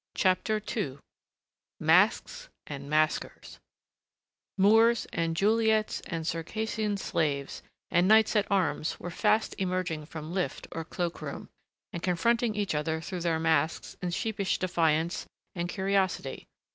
CHAPTER II MASKS AND MASKERS Moors and Juliets and Circassian slaves and Knights at Arms were fast emerging from lift or cloak room, and confronting each other through their masks in sheepish defiance and curiosity.